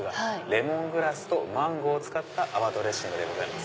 レモングラスとマンゴーを使った泡ドレッシングでございます。